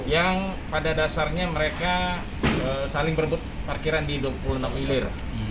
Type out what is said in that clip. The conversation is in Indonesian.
yang pada dasarnya mereka saling berebut parkiran di dua puluh enam hilir